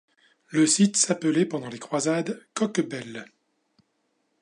Le site s'appelait, pendant les croisades Coquebel.